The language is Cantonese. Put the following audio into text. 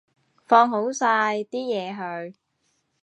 放好晒啲嘢佢